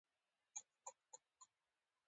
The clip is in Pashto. غوښې د افغانستان د دوامداره پرمختګ لپاره اړین دي.